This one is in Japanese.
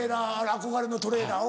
憧れのトレーラー。